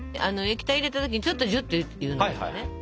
液体入れた時ちょっとジュッと言うのがいいよね。